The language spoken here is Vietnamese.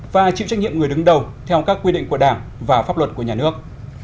và chịu trách nhiệm người đứng đầu theo các quy định của đảng và pháp luật của nhà nước